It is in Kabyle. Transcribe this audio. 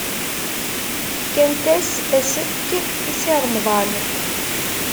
Fkant-as asefk i Si Remḍan.